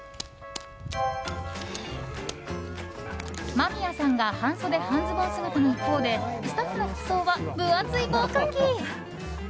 間宮さんが半袖、半ズボン姿の一方でスタッフの服装は分厚い防寒着。